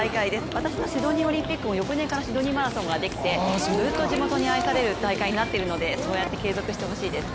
私のシドニーオリンピックも翌年からシドニーマラソンが開催されてずっと地元に愛される大会になっているのでそうやって継続してほしいです。